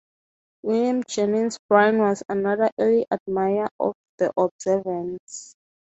William Jennings Bryan was another early admirer of the observance.